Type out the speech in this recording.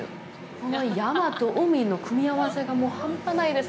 この山と海の組み合わせがもうハンパないです！